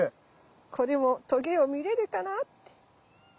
これもトゲを見れるかな？